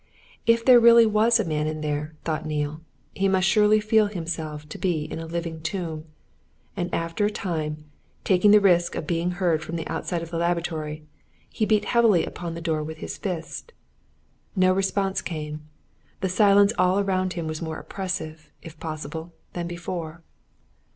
If there really was a man in there, thought Neale, he must surely feel himself to be in a living tomb. And after a time, taking the risk of being heard from outside the laboratory, he beat heavily upon the door with his fist. No response came: the silence all around him was more oppressive, if possible, than before.